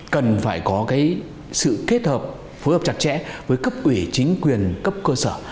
cần phải có cái sự kết hợp phối hợp chặt chẽ với cấp ủy chính quyền cấp cơ sở